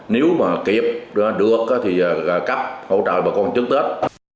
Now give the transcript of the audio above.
nếu mà kịp được thì cấp hỗ trợ bà con trước tết